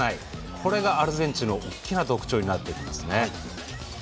これがアルゼンチンの大きな特徴になっていますね。